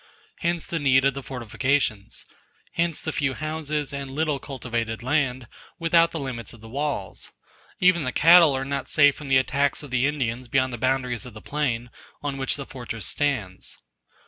Hence the need of the fortifications; hence the few houses and little cultivated land without the limits of the walls; even the cattle are not safe from the attacks of the Indians beyond the boundaries of the plain, on which the fortress stands.